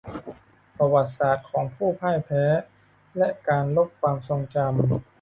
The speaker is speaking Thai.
ประวัติศาสตร์ของผู้พ่ายแพ้และการลบความทรงจำ